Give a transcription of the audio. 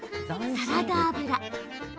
サラダ油。